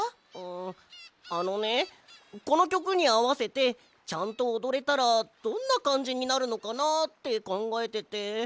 あのねこのきょくにあわせてちゃんとおどれたらどんなかんじになるのかなってかんがえてて。